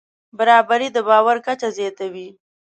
برابري د باور کچه زیاتوي.